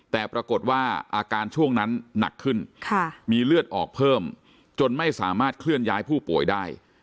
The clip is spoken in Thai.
แต่ปรากฏว่าอาการช่วงนั้นหนักขึ้นมีเลือดออกเพิ่มจนไม่สามารถเคลื่อนย้ายผู้ป่วยได้